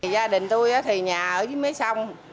gia đình tôi thì nhà ở dưới mấy sông